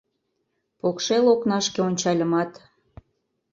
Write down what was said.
Покшел окнашке ончальымат -